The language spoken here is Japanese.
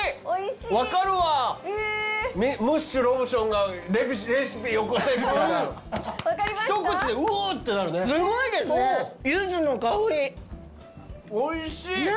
おいしい！